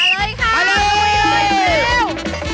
มาเลยค่ะมาเลยมาเร็ว